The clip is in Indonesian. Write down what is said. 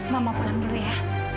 mama pulang dulu ya